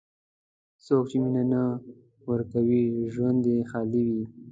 څوک چې مینه نه ورکوي، ژوند یې خالي وي.